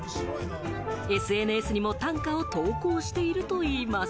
ＳＮＳにも短歌を投稿しているといいます。